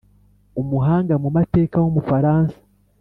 Umuhanga mu mateka w'umufaransa,